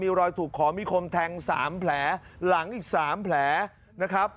มีรอยถูกขอมีคมแทง๓แผลหลังอีก๓แผลนะครับ